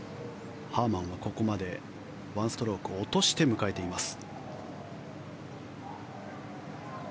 ハーマンはここまで１ストローク落として迎えています。